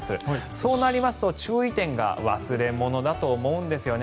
そうなりますと注意点が忘れ物だと思うんですね。